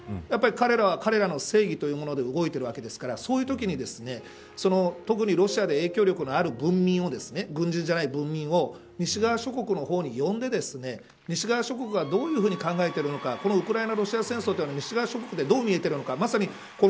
やっぱり彼らは彼らの正義で動いているわけですからそういうときに特にロシアで影響力のある文民を軍人じゃない文民を西側諸国の方に呼んで西側諸国がどういうふうに考えているのかウクライナ、ロシア戦争は西側諸国でどう見えているのか。